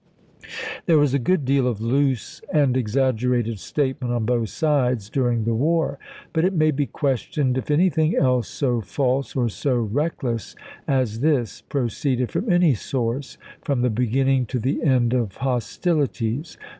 i863. There was a good deal of loose and exaggerated statement on both sides during the war; but it may be questioned if anything else so false or so reckless as this proceeded from any source, from the beginning to the end of hostilities.